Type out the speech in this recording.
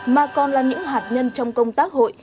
mà còn là những hạt nhân trong công tác hội